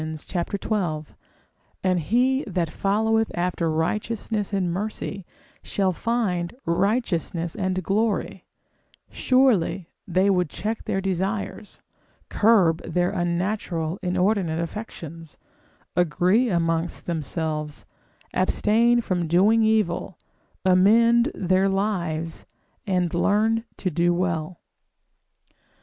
xii. and he that followeth after righteousness and mercy, shall find righteousness and glory; surely they would check their desires, curb in their unnatural, inordinate affections, agree amongst themselves, abstain from doing evil, amend their lives, and learn to do well.